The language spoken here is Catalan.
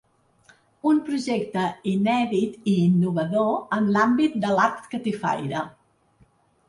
“Un projecte inèdit i innovador en l’àmbit de l’art catifaire”.